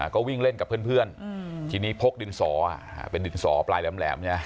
ก็วิ่งเล่นกับเพื่อนทีนี้พกดินสอเป็นดินสอปลายแหลมเนี่ย